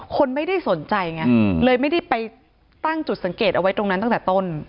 คนไม่ได้สนใจไงเลยไม่ได้ไปตั้งจุดสังเกตเอาไว้ตรงนั้นตั้งแต่ต้น